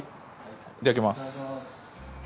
いただきます。